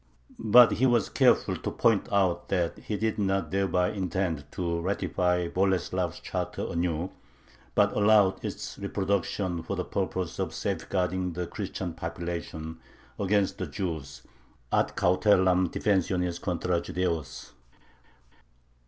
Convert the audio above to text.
But he was careful to point out that he did not thereby intend to ratify Boleslav's charter anew, but allowed its reproduction "for the purpose of safeguarding [the Christian population] against the Jews" (ad cautelam defensionis contra Judaeos).